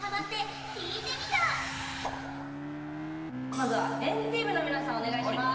まずは＆ＴＥＡＭの皆さんお願いします！